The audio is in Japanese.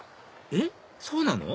えっそうなの？